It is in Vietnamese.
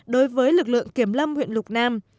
đối với lực lượng kiểm lâm huyện lục nam